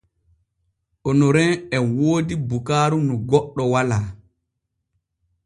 Onorin e woodi bukaaru nu goɗɗo walaa.